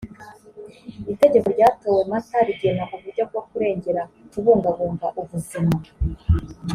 itegeko ryatowe mata rigena uburyo bwo kurengera kubungabunga ubuzima